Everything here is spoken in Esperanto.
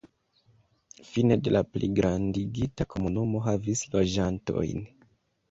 Fine de la pligrandigita komunumo havis loĝantojn.